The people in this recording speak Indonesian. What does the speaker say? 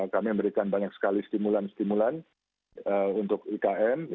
kami memberikan banyak sekali stimulan stimulan untuk ikn